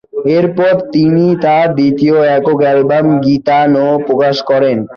এরপর তিনি তার দ্বিতীয় একক অ্যালবাম "গিতানো" প্রকাশ করেন।